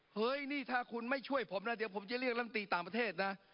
เฮ้ยนี่ถ้าคุณไม่ช่วยผมนะเดี๋ยวผมจะเรียกลำตีต่างประเทศนะ